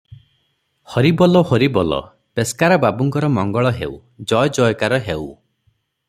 "ହରିବୋଲ - ହରିବୋଲ ପେସ୍କାର ବାବୁଙ୍କର ମଙ୍ଗଳ ହେଉ, ଜୟ ଜୟକାର ହେଉ ।"